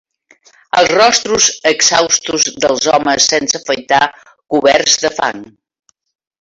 Els rostres exhaustos dels homes, sense afaitar, coberts de fang